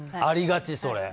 ありがち。